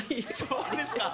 そうですか。